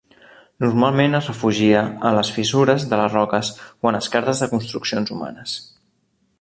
Normalment es refugia a les fissures de les roques o en esquerdes de construccions humanes.